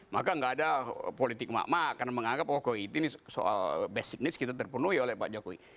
maka gak ada politik makmah karena menganggap oh ini soal basic needs kita terpenuhi oleh pak jokowi